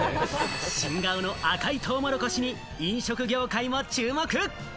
新顔の赤いトウモロコシに飲食業界も注目！